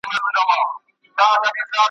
نوم به مي نه ستا نه د زمان په زړه کي پاته وي ,